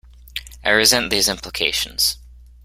I resent these implications.